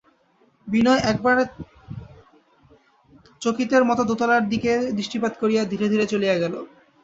বিনয় একবার চকিতের মতো দোতলার দিকে দৃষ্টিপাত করিয়া ধীরে ধীরে চলিয়া গেল।